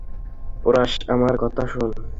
Porous, আমার কথা শোন।